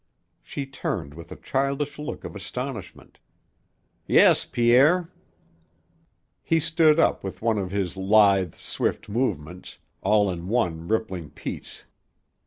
She turned with a childish look of astonishment. "Yes, Pierre." He stood up with one of his lithe, swift movements, all in one rippling piece.